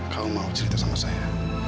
kalau mau cerita sama saya